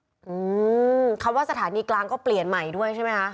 อืมคำว่าสถานีกลางก็เปลี่ยนใหม่ด้วยใช่ไหมคะ